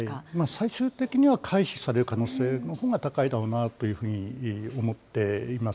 最終的には回避される可能性のほうが高いだろうなというふうに思っています。